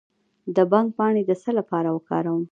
د بنګ پاڼې د څه لپاره وکاروم؟